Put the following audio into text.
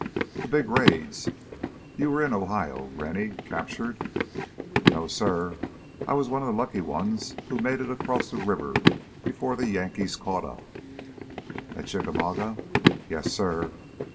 "The big raids ... you were in Ohio, Rennie? Captured?" "No, suh. I was one of the lucky ones who made it across the river before the Yankees caught up " "At Chickamauga?" "Yes, suh."